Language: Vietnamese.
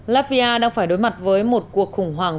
latvia đang phải đối mặt với một cuộc khủng hoảng